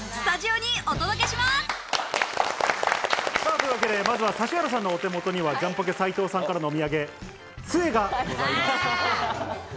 というわけでまずは指原さんのお手元にはジャンポケ・斉藤さんからのお土産つえがございます。